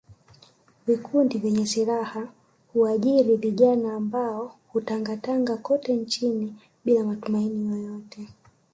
Vikundi vyenye silaha huajiri vijana ambao hutangatanga kote nchini bila matumaini yoyote